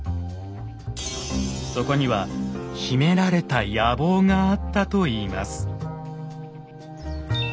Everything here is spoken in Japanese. そこには秘められた野望があったといいます。